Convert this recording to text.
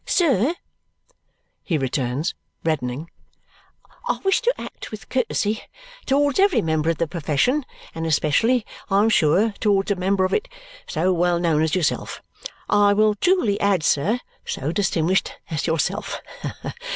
"Sir," he returns, reddening, "I wish to act with courtesy towards every member of the profession, and especially, I am sure, towards a member of it so well known as yourself I will truly add, sir, so distinguished as yourself.